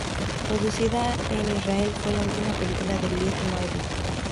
Producida en Israel, fue la última película de Lee Marvin.